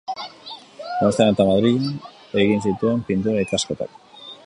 Donostian eta Madrilen egin zituen pintura-ikasketak.